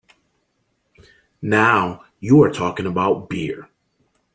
Now you are talking about beer!